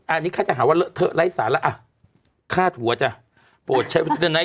อันนี้ข้าจะหาว่าเธอไร้สารแหละ